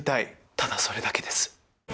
ただ、それだけです。